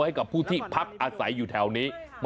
ให้กับผู้ที่พักอาศัยอยู่แถวนี้เมื่อไหนค่ะ